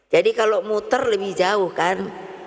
jadi kalau muter lebih jauh kan